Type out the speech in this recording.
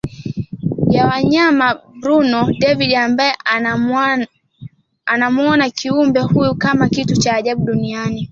ya wanyama Bruno David ambaye anamuona kiumbe huyo kama kitu cha ajabu duniani